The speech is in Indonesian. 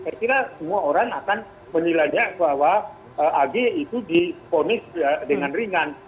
saya kira semua orang akan menilai bahwa ag itu diponis dengan ringan